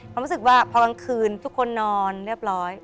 รู้สึกว่าพอกลางคืนทุกคนนอนเรียบร้อย